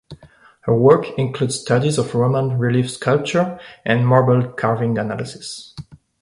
Her work includes studies of Roman relief sculpture and marble carving analysis.